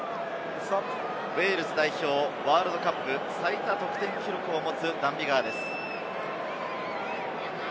ウェールズ代表ワールドカップ最多得点記録を持つ、ダン・ビガーです。